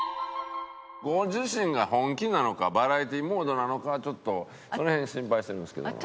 ご自身が本気なのかバラエティーモードなのかちょっとその辺心配してるんですけども。